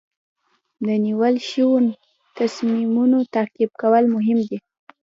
د نیول شوو تصمیمونو تعقیب کول مهم دي.